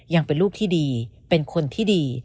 ยังเป็นลูกที่ดีเป็นคนที่ดี